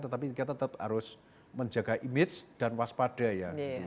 tetapi kita tetap harus menjaga image dan waspada ya